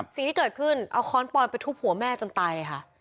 สิ่งที่เกิดขึ้นเอาค้อนปอนไปทุบหัวแม่จนตายค่ะ